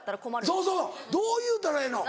そうそうどう言うたらええの？